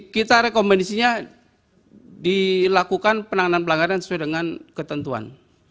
kita rekomendasinya dilakukan penanganan pelanggaran sesuai dengan ketentuan